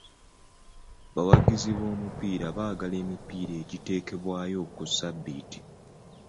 Abawagizi b'omupiira baagala emipiira giteekebweyo ku ssabbiiti.